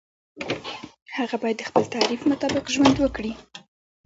هغه باید د خپل تعریف مطابق ژوند وکړي.